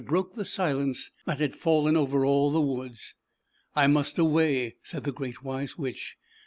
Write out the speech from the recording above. broke the silence that had fallen over all the Woods. "I must away," said the Great Wise Witch.